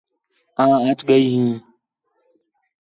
آں اَچ ڳئی ہیں